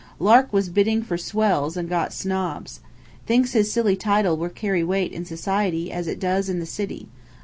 Lark was bidding for swells, and got snobs. Thinks his silly title will carry weight in society as it does in the city.